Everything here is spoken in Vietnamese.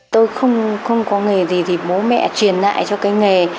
tôi không có nghề gì thì bố mẹ truyền lại cho cái nghề